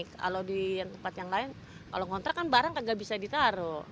kalau di tempat yang lain kalau ngontrak kan barang nggak bisa ditaruh